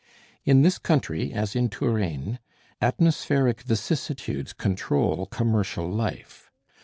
In this country, as in Touraine, atmospheric vicissitudes control commercial life.